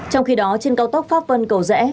trong khi đó trên cao tốc pháp vân cầu rẽ